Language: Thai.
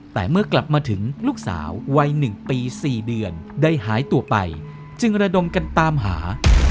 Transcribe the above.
แต่เมื่อกลับมาถึงลูกสาววัย๑ปี๔เดือนได้หายตัวไปจึงระดมกันตามหา